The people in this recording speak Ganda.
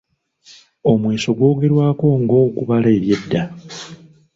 Omweso gwogerwaako ng’ogubala eby’edda.